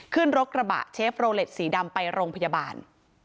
ขึ้นรถกระบะเชฟโรเล็ตสีดำไปโรงพยาบาล